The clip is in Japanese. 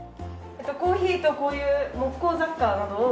コーヒーとこういう木工雑貨などを。